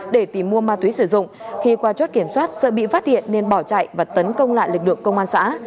để tìm mua ma túy sử dụng khi qua chốt kiểm soát sợ bị phát hiện nên bỏ chạy và tấn công lại lực lượng công an xã